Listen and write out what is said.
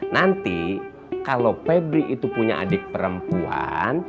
nanti kalau pebri itu punya adik perempuan